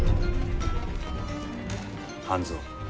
半蔵。